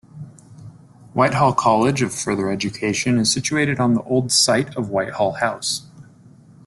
Whitehall College of Further Education is situated on the old site of Whitehall House.